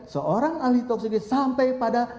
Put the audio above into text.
seorang ahli toksik sampai pada